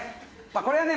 これはね